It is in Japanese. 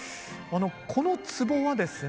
このつぼはですね